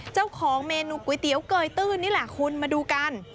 เจ้าของเมนูก๋วยเตี๋ยวเกยตื้นนี่แหละคุณมาดูกัน